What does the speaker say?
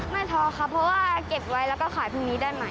ท้อครับเพราะว่าเก็บไว้แล้วก็ขายพรุ่งนี้ได้ไหม